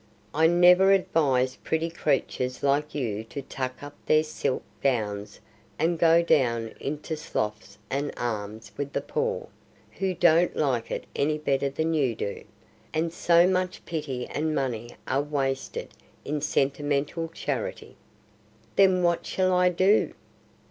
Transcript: I never advise pretty creatures like you to tuck up their silk gowns and go down into the sloughs with alms for the poor, who don't like it any better than you do, and so much pity and money are wasted in sentimental charity." "Then what shall I do?"